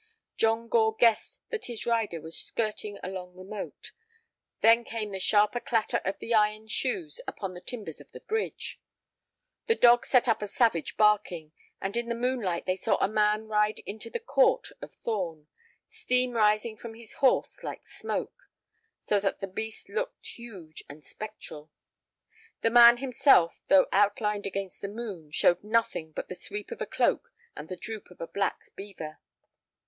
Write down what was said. John Gore guessed that his rider was skirting along the moat. Then came the sharper clatter of the iron shoes upon the timbers of the bridge. The dog set up a savage barking, and in the moonlight they saw a man ride into the court of Thorn, steam rising from his horse like smoke, so that the beast looked huge and spectral. The man himself, though outlined against the moon, showed nothing but the sweep of a cloak and the droop of a black beaver.